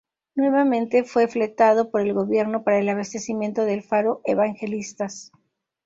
Nuevamente fue fletado por el gobierno para el abastecimiento del Faro Evangelistas.